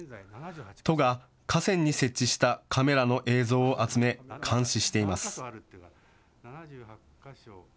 都が河川に設置したカメラの映像を集め、監視しています。